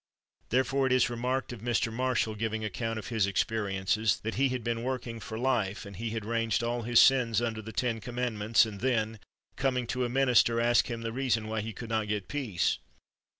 Therefore it is remarked of Mr. Marshall, giving account of his experiences, that he had been working for life, and he had ranged all his sins under the ten commandments, and then, coming to a minister, asked him the reason why he could not get peace.